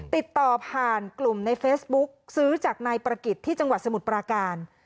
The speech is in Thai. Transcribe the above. ติดต่อผ่านกลุ่มในเฟซบุ๊กซื้อจากนายประกิจที่จังหวัดสมุทรปราการ